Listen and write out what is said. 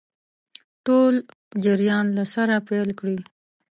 ټول جریان له سره پیل کړي.